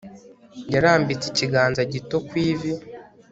yarambitse ikiganza gito ku ivi